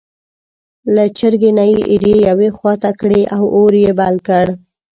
له چرګۍ نه یې ایرې یوې خوا ته کړې او اور یې بل کړ.